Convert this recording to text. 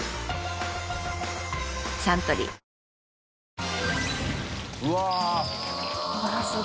サントリー小峠）